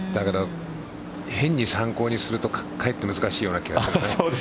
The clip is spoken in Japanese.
変に参考にすると、かえって難しいような気がします。